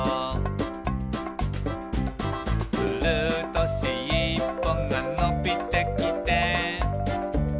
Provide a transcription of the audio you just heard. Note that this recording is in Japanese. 「するとしっぽがのびてきて」